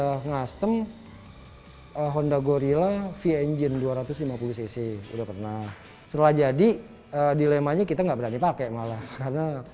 udah ngastem honda gorilla v engine dua ratus lima puluh cc udah pernah setelah jadi dilemanya kita nggak berani pakai malah karena